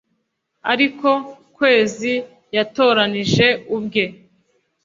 ari ko kwezi yatoranije ubwe